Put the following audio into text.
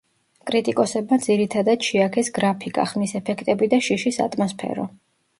კრიტიკოსებმა ძირითადად შეაქეს გრაფიკა, ხმის ეფექტები და შიშის ატმოსფერო.